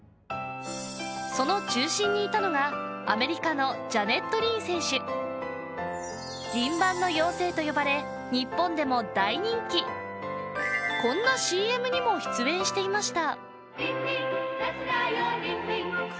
その中心にいたのがアメリカの「銀盤の妖精」と呼ばれ日本でも大人気こんなＣＭにも出演していました